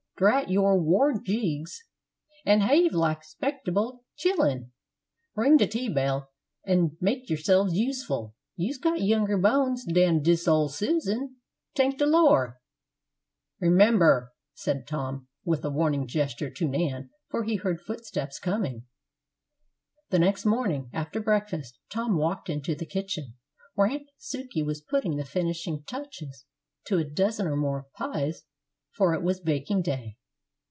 "Drat your war jigs, an' 'have like 'spectable chillun! Ring de tea bell, and make you'selves useful; you's got younger bones dan dis ole Susan, tank de Lor'!" "Remember!" said Tom, with a warning gesture to Nan, for he heard footsteps coming. The next morning after breakfast Tom walked into the kitchen, where Aunt Sukey was putting the finishing touches to a dozen or more pies, for it was baking day.